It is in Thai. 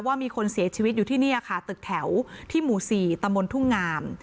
มีคนเสียชีวิตอยู่ที่นี่ค่ะตึกแถวที่หมู่๔ตำบลทุ่งงาม